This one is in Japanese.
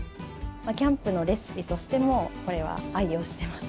キャンプのレシピとしてもこれは愛用してます。